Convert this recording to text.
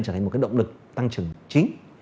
trở thành một động lực tăng trưởng chính